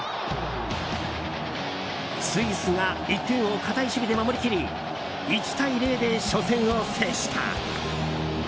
スイスが１点を堅い守備で守りきり１対０で初戦を制した。